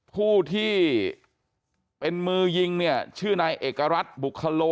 ผู้ที่เป็นมือยิงเนี่ยชื่อนายเอกรัฐบุคโล